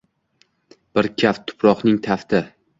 Bir kaft tuproqning tafti